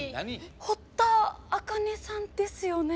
堀田茜さんですよね？